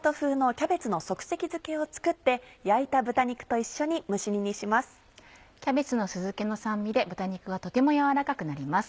キャベツの酢漬けの酸味で豚肉がとても軟らかくなります。